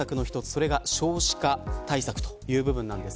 それが少子化対策という部分です。